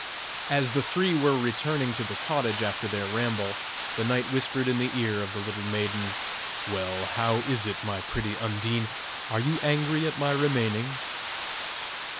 As the three were returning to the cottage after their ramble, the knight whispered in the ear of the little maiden "Well, how is it, my pretty Undine are you angry at my remaining?"